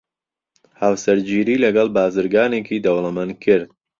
هاوسەرگیریی لەگەڵ بازرگانێکی دەوڵەمەند کرد.